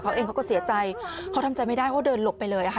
เขาเองเขาก็เสียใจเขาทำใจไม่ได้เขาเดินหลบไปเลยค่ะ